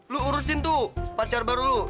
lu urusin tuh pacar baru lu